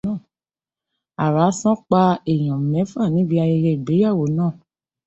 Àrá sán pa èèyàn mẹ́fà níbi ayẹyẹ ìgbéyàwó náà.